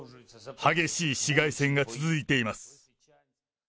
激しい市街戦が続いています。